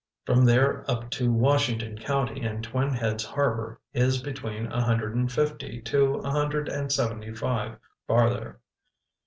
From there up to Washington County and Twin Heads Harbor is between a hundred and fifty to a hundred and seventy five farther.